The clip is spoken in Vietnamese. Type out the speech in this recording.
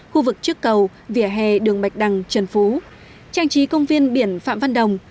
khu vực trước cầu vỉa hè đường bạch đằng trần phú trang trí công viên biển phạm văn đồng